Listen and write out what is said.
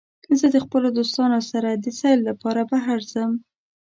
زه د خپلو دوستانو سره د سیل لپاره بهر ځم.